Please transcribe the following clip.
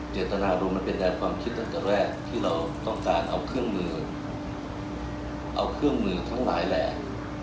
เจตนารมณ์มันเป็นแนวความคิดตั้งแต่แรกที่เราต้องการเอาเครื่องมือเอาเครื่องมือทั้งหลายแหล่